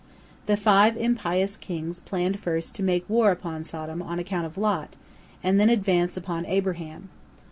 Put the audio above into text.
The five impious kings planned first to make war upon Sodom on account of Lot and then advance upon Abraham.